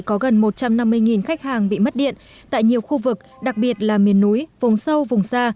có gần một trăm năm mươi khách hàng bị mất điện tại nhiều khu vực đặc biệt là miền núi vùng sâu vùng xa